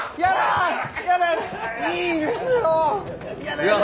いいですよ。